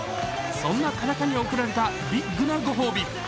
そんな田中に贈られたビッグなご褒美